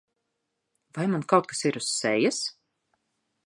Vai man kaut kas ir uz sejas?